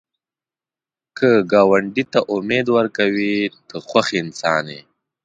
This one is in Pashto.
که ګاونډي ته امید ورکوې، ته خوښ انسان یې